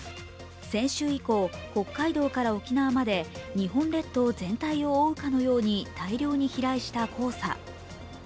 先週以降、北海道から沖縄まで日本列島全体を覆うかのように大量に飛来した黄砂。